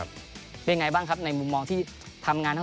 ได้อย่างไรบ้างครับหน้ามุมมองที่ทำงานทั้ง